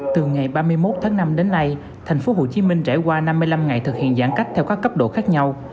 từ ngày ba mươi một tháng năm đến nay tp hcm trải qua năm mươi năm ngày thực hiện giãn cách theo các cấp độ khác nhau